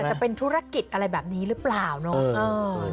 จะเป็นธุรกิจอะไรแบบนี้หรือเปล่าเนาะ